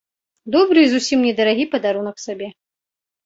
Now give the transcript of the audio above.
Добры і зусім не дарагі падарунак сабе.